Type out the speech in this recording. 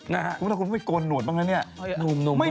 ส่วนตัวคุณไม่โกนหนูดป้องแล้วนี่